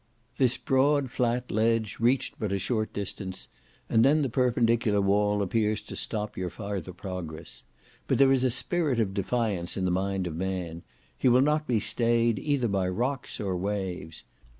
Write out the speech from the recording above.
This broad flat ledge reached but a short distance, and then the perpendicular wall appears to stop your farther progress; but there is a spirit of defiance in the mind of man; he will not be stayed either by rocks or waves.